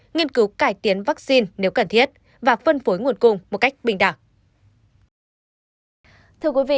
nghiên cứu cải tiến vaccine nếu cần thiết và phân phối nguồn cung một cách bình đẳng